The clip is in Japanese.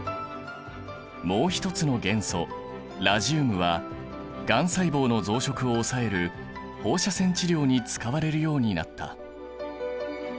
もう一つの元素ラジウムはがん細胞の増殖を抑える放射線治療に使われるようになった。